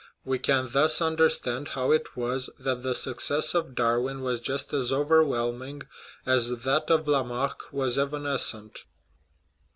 We can thus understand how it was that the success of Darwin was just as overwhelm ing as that of Lamarck was evanescent.